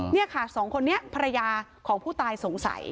นี่ค่ะสองคนนี้ภรรยาของผู้ตายสงสัย